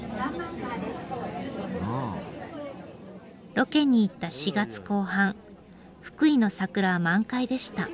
ロケに行った４月後半福井の桜は満開でした。